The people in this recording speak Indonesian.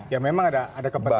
ya memang ada kepentingan